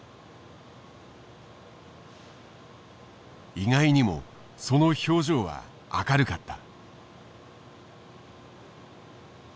意外にもその表情は明るかった。